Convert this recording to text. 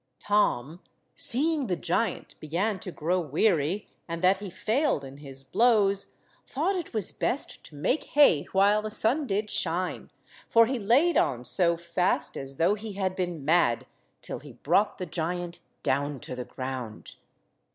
Tom, seeing the giant began to grow weary, and that he failed in his blows, thought it was best to make hay while the sun did shine, for he laid on so fast as though he had been mad, till he brought the giant down to the ground.